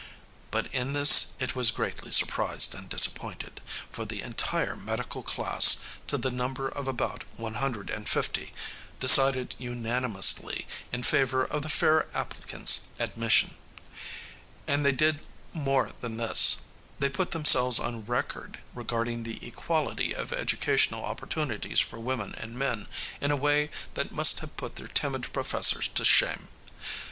"But in this it was greatly surprised and disappointed. For the entire medical class, to the number of about one hundred and fifty, decided unanimously in favor of the fair applicant's admission. And they did more than this. They put themselves on record regarding the equality of educational opportunities for women and men in a way that must have put their timid professors to shame.